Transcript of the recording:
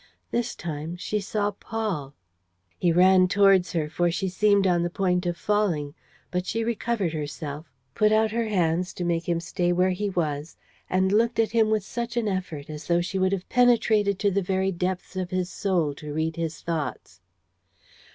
This time she saw Paul! He ran towards her, for she seemed on the point of falling. But she recovered herself, put out her hands to make him stay where he was and looked at him with an effort as though she would have penetrated to the very depths of his soul to read his thoughts.